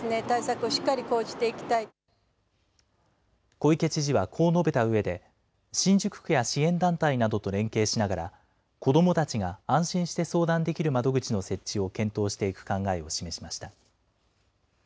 小池知事はこう述べたうえで、新宿区や支援団体などと連携しながら、子どもたちが安心して相談できる窓口の設置を検討していく考えを示しました。